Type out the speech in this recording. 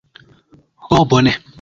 Ho bone.